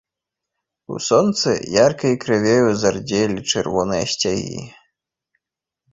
У сонцы яркай крывёю зардзелі чырвоныя сцягі.